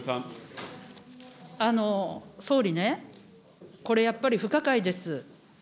総理ね、これやっぱり不可解です。